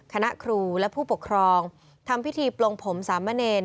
คณะครูและผู้ปกครองทำพิธีปลงผมสามเณร